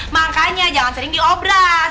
makanya jangan sering diobras